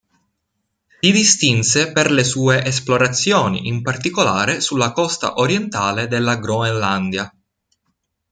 Si distinse per le sue esplorazioni, in particolare sulla costa orientale della Groenlandia.